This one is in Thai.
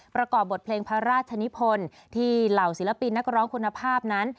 ประกอบบทเพลงพระราชนิพลที่เหล่าศิลปินนักร้องคุณภาพนั้น